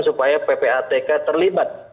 supaya ppatk terlibat